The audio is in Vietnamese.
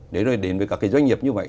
để rồi đến với các doanh nghiệp như vậy